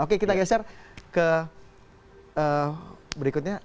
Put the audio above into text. oke kita geser ke berikutnya